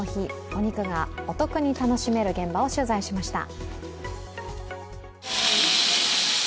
お肉がお得に楽しめる現場を取材しました。